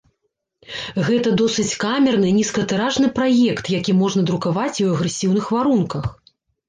Гэта досыць камерны, нізкатыражны праект, які можна друкаваць і ў агрэсіўных варунках.